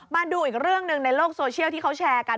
มาดูอีกเรื่องหนึ่งในโลกโซเชียลที่เขาแชร์กัน